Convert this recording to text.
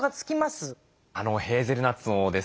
あのヘーゼルナッツのですね